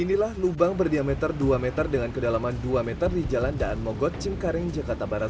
inilah lubang berdiameter dua meter dengan kedalaman dua meter di jalan daan mogot cengkaring jakarta barat